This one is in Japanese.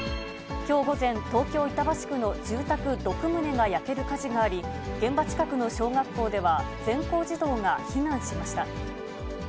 きょう午前、東京・板橋区の住宅６棟が焼ける火事があり、現場近くの小学校では、全校児童が避難しました。